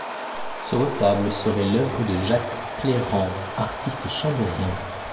Ce retable serait l’œuvre de Jacques Clairant, artiste chambérien.